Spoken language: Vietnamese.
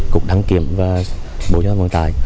cục đăng kiểm và bộ giáo văn tài